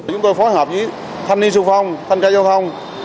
chúng tôi phối hợp với thanh niên sưu phong thanh ca giao thông